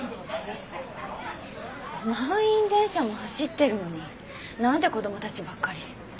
満員電車も走ってるのに何で子供たちばっかり。